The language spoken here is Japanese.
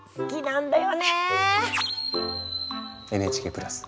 ＮＨＫプラス